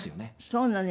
そうなの？